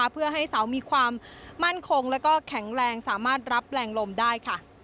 เพื่อให้เสามีความมั่นคงและแข็งแรงสามารถรับแรงลมได้ค่ะ